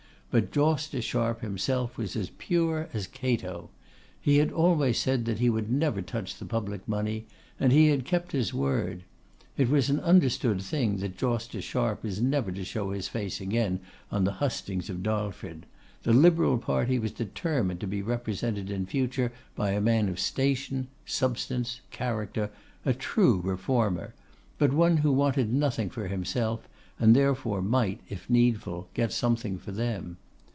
But Jawster Sharp himself was as pure as Cato. He had always said he would never touch the public money, and he had kept his word. It was an understood thing that Jawster Sharp was never to show his face again on the hustings of Darlford; the Liberal party was determined to be represented in future by a man of station, substance, character, a true Reformer, but one who wanted nothing for himself, and therefore might, if needful, get something for them.